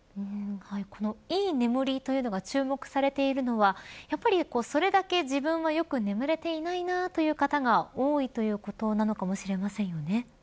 このいい眠りというのが注目されているのはやっぱり、それだけ自分はよく眠れていないな、という方が多いということなのかもしれませんよね。